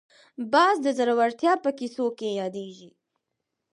باز د زړورتیا په کیسو کې یادېږي